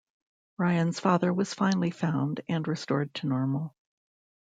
Ryan's father was finally found and restored to normal.